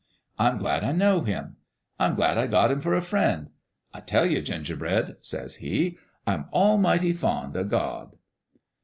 I'm glad I know Him. I'm glad I got Him for a friend. I tell you, Gingerbread," says he, "I'm almighty fond o' God